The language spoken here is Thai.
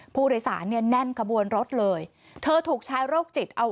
ผู้โดยสารแน่นกระบวนรถเลยเธอถูกใช้โรคจิต